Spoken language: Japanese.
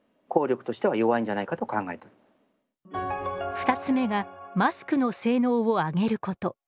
２つ目がマスクの性能を上げること。